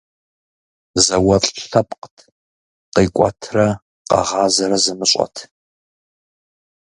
ЗауэлӀ лъэпкът, къикӀуэтрэ къэгъазэрэ зымыщӀэт.